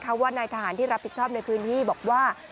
เพราะว่านายทหารที่รับผิดชอบในพื้นที่บอกว่า